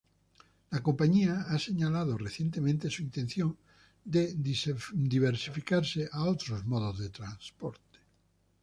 La compañía ha señalado recientemente su intención de diversificarse a otros modos de transporte.